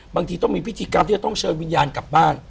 บางทีต้องมีพิธีกรรมที่จะต้องเชิญวิญญาณกลับบ้าน